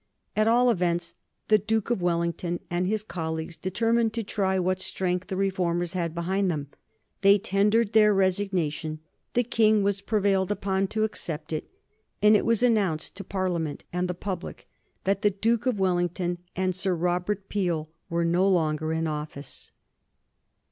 At all events, the Duke of Wellington and his colleagues determined to try what strength the reformers had behind them. They tendered their resignation; the King was prevailed upon to accept it, and it was announced to Parliament and the public that the Duke of Wellington and Sir Robert Peel were no longer in office.